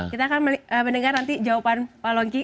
kita akan mendengar nanti jawaban pak longki